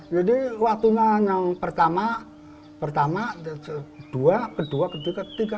jadi waktunya yang pertama pertama kedua kedua ketiga ketiga